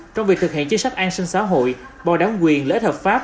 trong việc thực hiện chức sách an sinh xã hội bỏ đáng quyền lễ thập pháp